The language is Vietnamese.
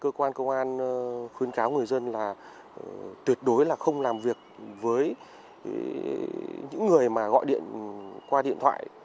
cơ quan công an khuyến cáo người dân là tuyệt đối là không làm việc với những người mà gọi điện qua điện thoại